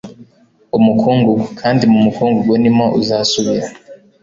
umukungugu kandi mu mukungugu ni mo uzasubira